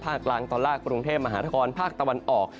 กลางตอนล่างกรุงเทพมหานครภาคตะวันออก